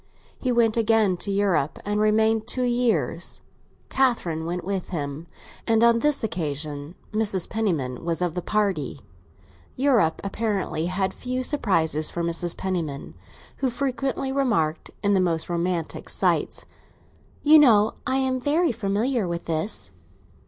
He went again to Europe, and remained two years; Catherine went with him, and on this occasion Mrs. Penniman was of the party. Europe apparently had few surprises for Mrs. Penniman, who frequently remarked, in the most romantic sites—"You know I am very familiar with all this."